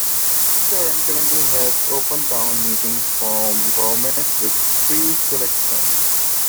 Sharon currently has an Open Town Meeting form of government, with three Selectmen.